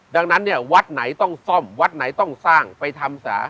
ดังนั้นเนี่ยวัดไหนต้องซ่อมวัดไหนต้องสร้างไปทำสา